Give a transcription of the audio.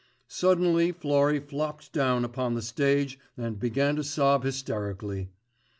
Suddenly Florrie flopped down upon the stage and began to sob hysterically.